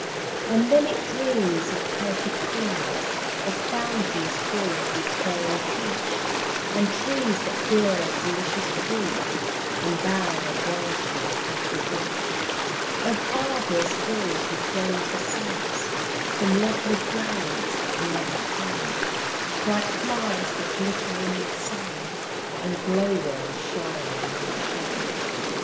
And then it dreams of pleasant things, Of fountains filled with fairy fish, And trees that bear delicious fruit, And bow their branches at a wish; Of arbors filled with dainty scents From lovely flowers that never fade; Bright flies that glitter in the sun, And glow worms shining in the shade.